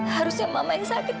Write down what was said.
harusnya mama yang sakit